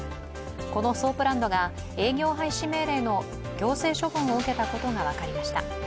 このソープランドが営業廃止命令の行政処分を受けたことが分かりました。